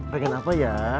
pengen apa ya